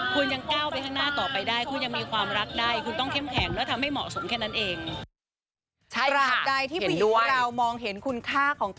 การเป็นม่ายของฉันฉันก็มีศักดิ์สีของฉันเหมือนกัน